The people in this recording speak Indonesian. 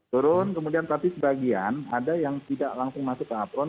turun kemudian tapi sebagian ada yang tidak langsung masuk ke apron